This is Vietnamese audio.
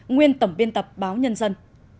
nguyên tổng biên tập báo nhân dân